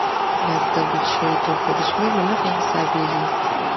دا د تولید شویو توکو د شمېر له مخې حسابېږي